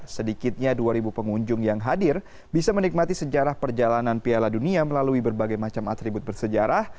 sedikitnya dua pengunjung yang hadir bisa menikmati sejarah perjalanan piala dunia melalui berbagai macam atribut bersejarah